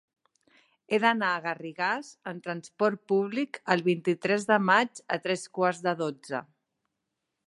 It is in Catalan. He d'anar a Garrigàs amb trasport públic el vint-i-tres de maig a tres quarts de dotze.